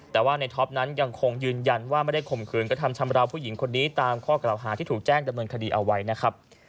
แต่ว่าในท็อปนั้นยังคงยืนยันว่าไม่ได้ข่มขืนกระทำชำราวผู้หญิงคนนี้ตามข้อกล่าวหาที่ถูกแจ้งดำเนินคดีเอาไว้นะครับ